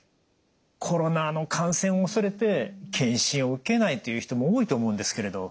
コロナの感染を恐れて検診を受けないという人も多いと思うんですけれど。